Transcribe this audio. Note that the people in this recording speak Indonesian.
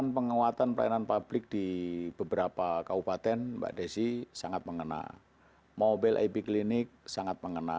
penguatan pelayanan publik di beberapa kabupaten mbak desi sangat mengena mobile ip clinic sangat mengena